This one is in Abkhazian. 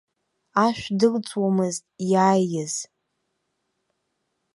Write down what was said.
Ашә дылҵуамызт иааиз.